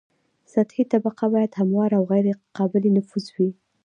سطحي طبقه باید همواره او غیر قابل نفوذ وي